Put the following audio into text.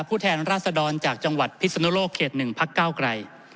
ผู้แทนราษฎรจากจังหวัดพิษณุโรคเขต๑พัก๙กลาย